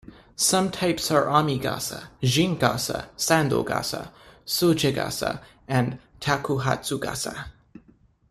Some types are "amigasa", "jingasa", "sandogasa", "sugegasa", and "takuhatsugasa".